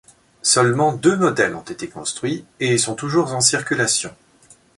Seulement deux modèles ont été construits, et sont toujours en circulation.